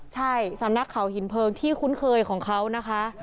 ใช่สำนักเขาหินเพลิงที่คุ้นเคยของเขานะคะ